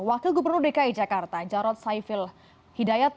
wakil gubernur dki jakarta jarod saiful hidayat